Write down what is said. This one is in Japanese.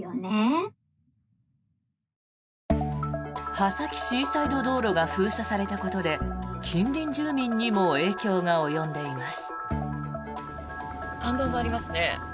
波崎シーサイド道路が封鎖されたことで近隣住民にも影響が及んでいます。